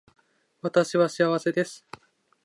私は幸せです